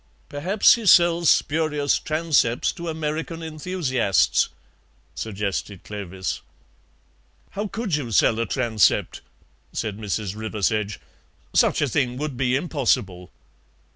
"Perhaps he sells spurious transepts to American enthusiasts," suggested Clovis. "How could you sell a transept?" said Mrs. Riversedge; "such a thing would be impossible."